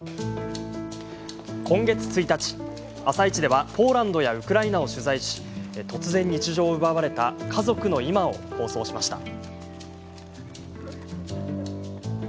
今月１日「あさイチ」ではポーランドやウクライナを取材し突然、日常を奪われた家族の今を放送しました。